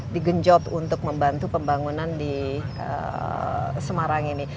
digenjot untuk membantu pembangunan di semarang ini